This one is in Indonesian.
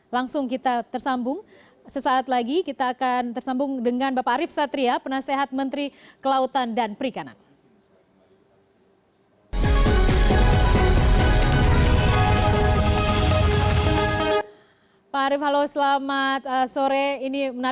langsung kita tersambung sesaat lagi kita akan tersambung dengan bapak arief satria penasehat menteri kelautan dan perikanan